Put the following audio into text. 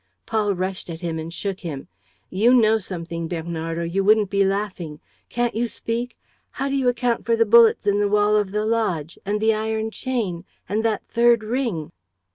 Paul rushed at him and shook him: "You know something, Bernard, or you wouldn't be laughing! Can't you speak? How do you account for the bullets in the wall of the lodge? And the iron chain? And that third ring?"